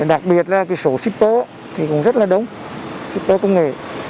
đặc biệt là số xích tố cũng rất là đúng xích tố công nghệ